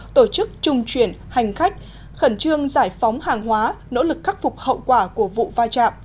tổ chức trung chuyển hành khách khẩn trương giải phóng hàng hóa nỗ lực khắc phục hậu quả của vụ va chạm